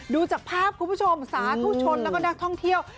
ดูจากภาพคุณผู้ชมสาธุชนแล้วก็นักท่องเที่ยว